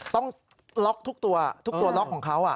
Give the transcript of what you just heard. ต้องล็อกทุกตัวทุกตัวล็อกของเขา